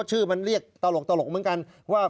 ชื่อมันเรียกตลกเหมือนกันว่า